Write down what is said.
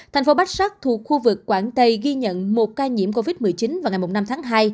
thành phố bách sắc thuộc khu vực quảng tây ghi nhận một ca nhiễm covid một mươi chín vào ngày năm tháng hai